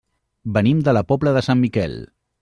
Venim de la Pobla de Sant Miquel.